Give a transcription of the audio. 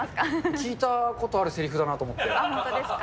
聞いたことあるせりふだなと本当ですか。